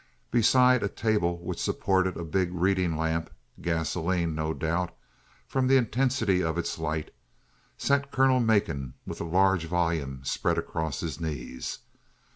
Beside a table which supported a big reading lamp gasoline, no doubt, from the intensity of its light sat Colonel Macon with a large volume spread across his knees.